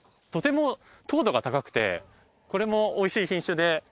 とても糖度が高くてこれも美味しい品種で。